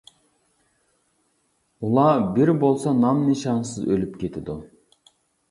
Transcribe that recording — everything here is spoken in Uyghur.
ئۇلار بىر بولسا نام-نىشانسىز ئۆلۈپ كېتىدۇ.